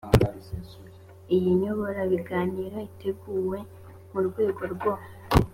iyi nyoborabiganiro iteguwe mu rwego rwo